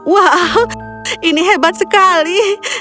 wow ini hebat sekali